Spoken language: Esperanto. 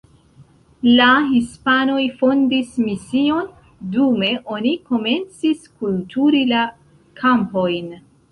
La hispanoj fondis mision, dume oni komencis kulturi la kampojn.